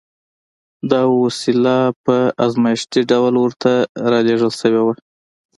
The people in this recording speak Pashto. دا وسیله په ازمایښتي ډول ورته را لېږل شوې وه